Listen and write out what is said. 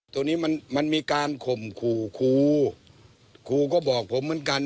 ตัวนี้มันมันมีการข่มขู่ครูครูก็บอกผมเหมือนกัน